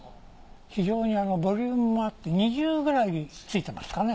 非常にボリュームもあって２０くらいついてますかね？